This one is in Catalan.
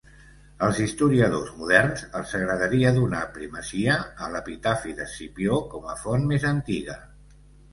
Als historiadors moderns els agradaria donar primacia a l'epitafi d'Escipió com a font més antiga.